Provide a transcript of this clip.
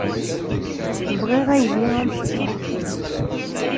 Bɣiɣ aydi amecṭuḥ.